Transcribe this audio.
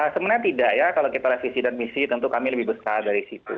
sebenarnya tidak ya kalau kita revisi dan misi tentu kami lebih besar dari situ